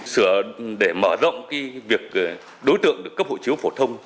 sửa để mở rộng việc đối tượng được cấp hộ chiếu phổ thông